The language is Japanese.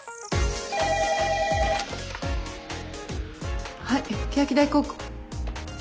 ☎はい欅台高校。